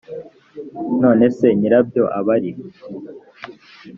none se nyirabyo aba ari he?